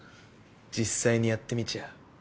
実際にやってみちゃう？